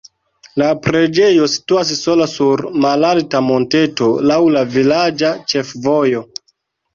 La preĝejo situas sola sur malalta monteto laŭ la vilaĝa ĉefvojo.